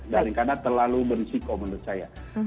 karena terlalu berisiko menurut saya